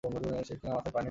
সে কিনা মাথায় পানি ঢালে।